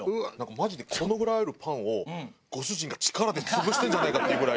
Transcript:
マジでこのぐらいあるパンをご主人が力で潰してるんじゃないかっていうぐらい。